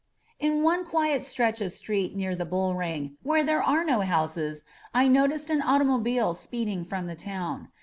168 INSURGENT MEXICO In one quiet stretch of street near tiie boll rmg, where there are no houses, I noticed an automobile speeding from the town.